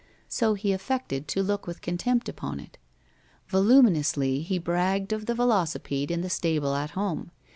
So he affected to look with contempt upon it. Voluminously he bragged of the velocipede in the stable at home.